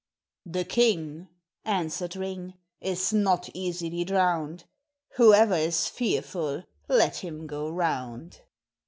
"The king," answered Ring, "is not easily drowned, Whoever is fearful let him go round."